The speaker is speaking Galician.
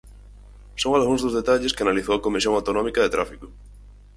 Son algúns dos detalles que analizou a Comisión Autonómica de Tráfico.